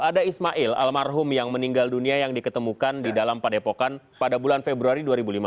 ada ismail almarhum yang meninggal dunia yang diketemukan di dalam padepokan pada bulan februari dua ribu lima belas